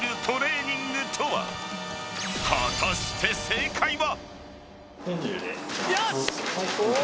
［果たして正解は？］